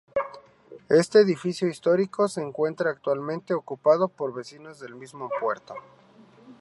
Este edificio histórico, se encuentra actualmente ocupado por vecinos del mismo puerto.